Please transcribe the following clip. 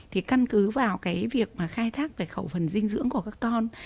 thì căn cứ vào cái việc mà khai thác về khẩu phần dinh dưỡng của các con